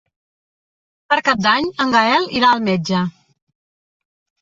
Per Cap d'Any en Gaël irà al metge.